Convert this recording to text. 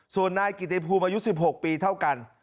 ส่วนนายกิติภูมิอายุ๑๖ปีเท่ากัน